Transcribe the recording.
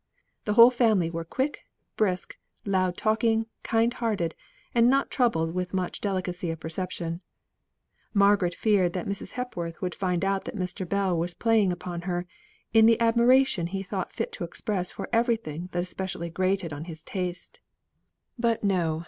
The whole family were quick, brisk, loud talking, kind hearted, and not troubled with much delicacy of perception. Margaret feared that Mrs. Hepworth would find out that Mr. Bell was playing upon her, in the admiration he thought fit to express for everything that especially grated on his taste. But no!